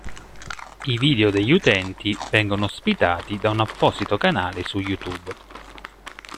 I video degli utenti vengono ospitati da un apposito canale su YouTube.